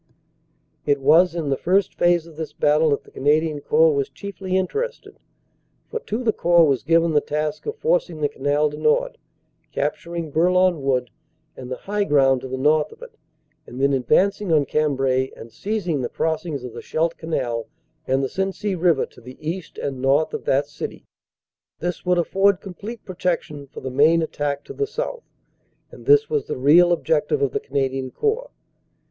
"It was in the first phase of this battle that the Canadian Corps was chiefly interested, for to the Corps was given the task of forcing the Canal du Nord, capturing Bourlon Wood and the high ground to the north of it, and then advancing on Cambrai and seizing the crossings of the Scheldt Canal and the Sensee river to the east and north of that city. This would afford complete protection for the main attack to the south and this was the real objective of the Canadian Corps.